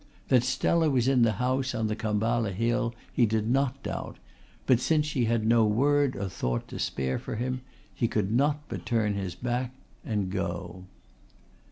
That Stella was in the house on the Khamballa Hill he did not doubt, but since she had no word or thought to spare for him he could not but turn his back and go.